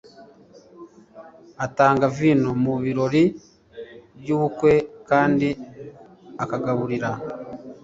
atanga vino mu birori byubukwe kandi akagaburira